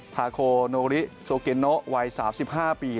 คาโคโนริโซเกโนวัย๓๕ปี